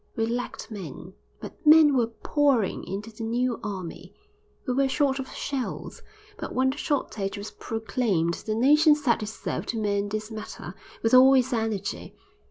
We lacked men, but men were pouring into the new army; we were short of shells, but when the shortage was proclaimed the nation set itself to mend this matter with all its energy.